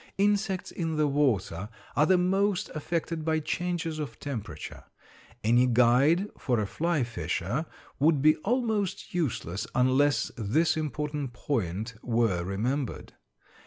Insects in the water are the most affected by changes of temperature. Any guide for a fly fisher would be almost useless unless this important point were remembered.